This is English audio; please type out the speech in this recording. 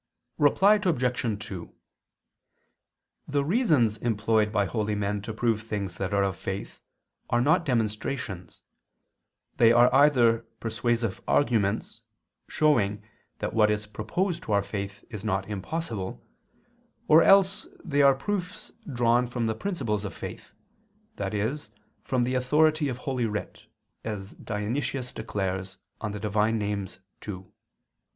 Reply Obj. 2: The reasons employed by holy men to prove things that are of faith, are not demonstrations; they are either persuasive arguments showing that what is proposed to our faith is not impossible, or else they are proofs drawn from the principles of faith, i.e. from the authority of Holy Writ, as Dionysius declares (Div. Nom. ii).